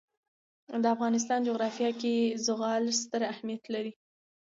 د افغانستان جغرافیه کې زغال ستر اهمیت لري.